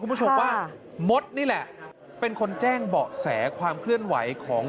คุณผู้ชมว่ามดนี่แหละเป็นคนแจ้งเบาะแสความเคลื่อนไหวของ